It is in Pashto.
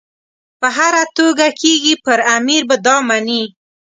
په هره توګه کېږي پر امیر به دا مني.